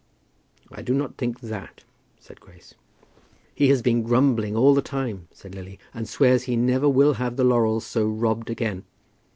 "I do not think that," said Grace. "He has been grumbling all the time," said Lily, "and swears he never will have the laurels so robbed again.